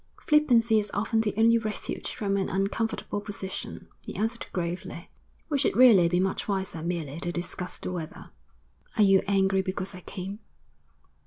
'Flippancy is often the only refuge from an uncomfortable position,' he answered gravely. 'We should really be much wiser merely to discuss the weather.' 'Are you angry because I came?'